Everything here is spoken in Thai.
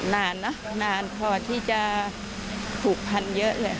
นานนะนานพอที่จะผูกพันเยอะเลย